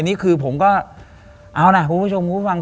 นี่คือผมก็เอานะคุณผู้ชมคุณผู้ฟัง